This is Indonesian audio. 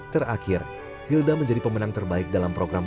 terakhir hilda menjadi pemenang terbaik dalam program